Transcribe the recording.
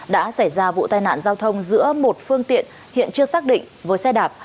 đã xảy ra vụ tai nạn giao thông giữa một phương tiện hiện chưa xác định với xe đạp